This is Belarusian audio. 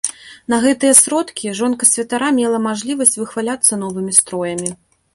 На гэтыя сродкі жонка святара мела мажлівасць выхваляцца новымі строямі.